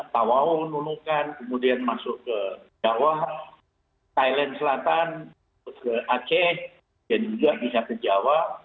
tawau nunukan kemudian masuk ke jawa thailand selatan ke aceh dan juga bisa ke jawa